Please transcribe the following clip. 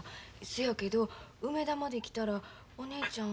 そやけど梅田まで来たらお姉ちゃん